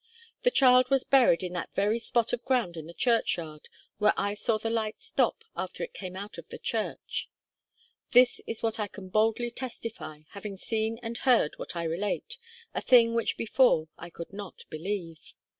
The child was buried in that very spot of ground in the churchyard, where I saw the light stop after it came out of the church. This is what I can boldly testify, having seen and heard what I relate a thing which before I could not believe.'